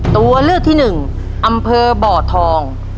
ตัวเลือกที่๑อำเภอบ่อทอง